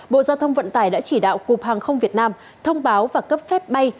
bộ giao thông vận tải đã chỉ đạo cục hàng không việt nam thông báo và cấp phép bay